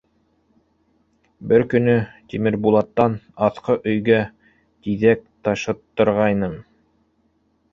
Бер көнө Тимербулаттан аҫҡы өйгә тиҙәк ташыттырғайным.